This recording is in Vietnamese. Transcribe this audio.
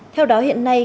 theo đó hiện nay